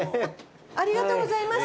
ありがとうございます。